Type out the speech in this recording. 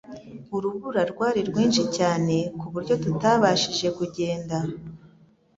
Urubura rwari rwinshi cyane kuburyo tutabashije kujyenda.